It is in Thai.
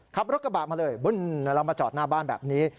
ขับรถกระบะมาเลยบึ้นเรามาจอดหน้าบ้านแบบนี้